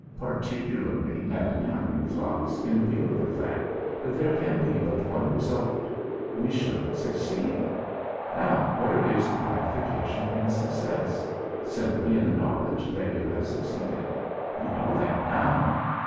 "Particularly," added Heinrich Flatz, "in view of the fact that there can be but one result. We should succeed. Now where is the gratification in success? Simply in the knowledge that you have succeeded. We know that now.